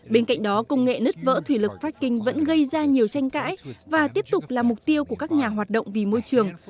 bên cạnh đó công nghệ nứt vỡ thủy lực fracking vẫn gây ra nhiều tranh cãi và tiếp tục là mục tiêu của các nhà hoạt động vì môi trường